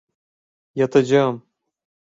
Yatacağım.